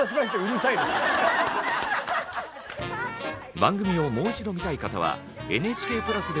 番組をもう一度見たい方はＮＨＫプラスでも視聴できます。